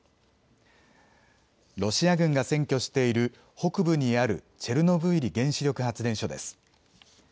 ロシア軍が占拠している北部にあるチェルノブイリ原子力発電所です。